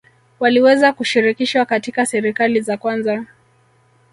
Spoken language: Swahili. Waliweza kushirikishwa katika serikali za kwanza